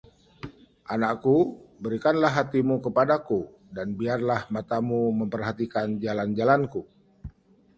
Anakku, berikanlah hatimu kepadaku, dan biarlah matamu memperhatikan jalan-jalanku.